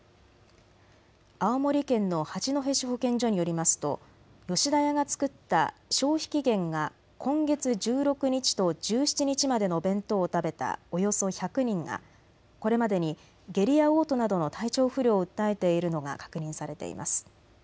青森県の八戸市保健所によりますと吉田屋が作った消費期限が今月１６日と１７日までの弁当を食べたおよそ１００人がこれまでに下痢やおう吐などの体調不良を訴えているのが確認されています。